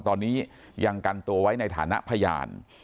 ตอนนี้ยังกันตัวไว้ในฐานะพยาน